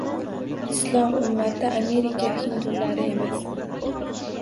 Islom ummati Amerika hindulari emas!